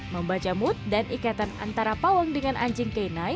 membaca mood dan ikatan antara pawang dengan anjing k sembilan